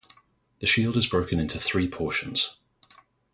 The shield is broken into three portions.